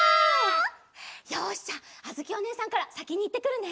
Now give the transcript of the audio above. よしじゃああづきおねえさんからさきにいってくるね！